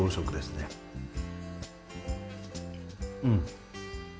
うん。